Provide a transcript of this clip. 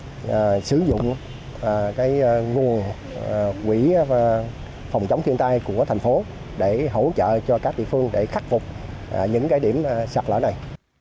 chúng tôi sẽ sử dụng nguồn quỹ phòng chống thiên tai của thành phố để hỗ trợ cho các địa phương để khắc phục những cái điểm sạt lở này